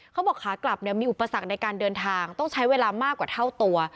เขาบอกขากลับมีอุปสรรคในการเดินทางต้องใช้เวลามากกว่าเท่าตัว